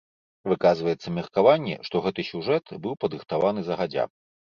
Выказваецца меркаванне, што гэты сюжэт быў падрыхтаваны загадзя.